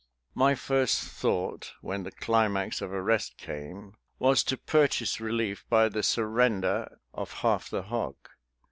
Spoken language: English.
My first thought, when the climax of arrest came, was to purchase relief by the surrender of half the hog.